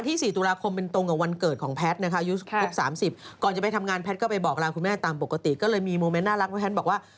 นี่ขนาดเป็นอัลไซเมอร์นะ